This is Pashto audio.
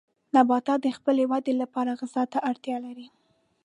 نباتات د خپلې ودې لپاره غذا ته اړتیا لري.